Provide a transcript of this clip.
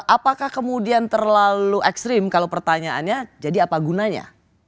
apakah kemudian terlalu ekstrim kalau pertanyaannya jadi apa gunanya